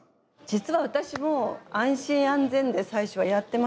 実は私も安心安全で最初はやってました。